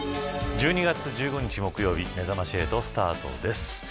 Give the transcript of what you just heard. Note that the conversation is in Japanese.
１２月１５日木曜日めざまし８スタートです。